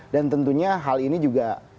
dan tentunya hal ini juga